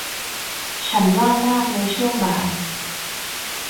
ฉันว่างมากในช่วงบ่าย